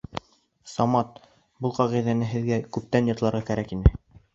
Самат, был ҡағиҙәне һеҙгә күптән ятларға кәрәк ине